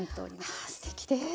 はあすてきです。